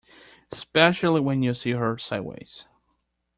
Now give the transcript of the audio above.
Especially when you see her sideways.